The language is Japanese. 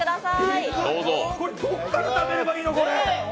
これ、どっから食べればいいの？